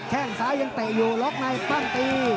แค่งซ้ายยังเตะอยู่ล็อกในปั้งตี